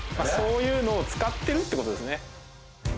そういうのを使ってるってことですね。